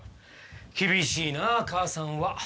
厳しいなあかあさんは。